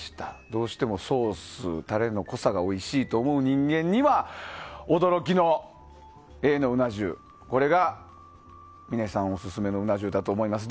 どうしてもソース、タレの濃さがおいしいと思う人間には驚きのＡのうな重これが峰さんオススメのうな重だと思います。